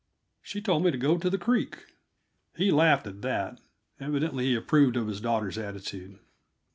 She told me to go to the creek." He laughed at that; evidently he approved of his daughter's attitude.